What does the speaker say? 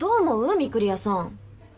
御厨さん。